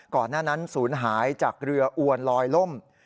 ก่อนหน้านั้นศูนย์หายจากเรืออวนลอยล่ม